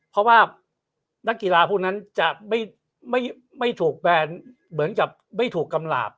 เพราะว่านักกีฬาพวกนั้นจะไม่ถูกแบนเหมือนกับไม่ถูกกำหลาบ